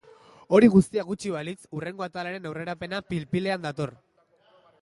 Hori guztia gutxi balitz, hurrengo atalaren aurrerapena pil-pilean dator.